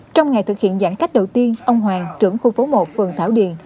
trong ngày thực hiện giãn cách đầu tiên ông hoàng trưởng khu phố một phường thảo điền